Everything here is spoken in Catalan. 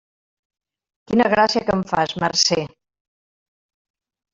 Quina gràcia que em fas, Mercè!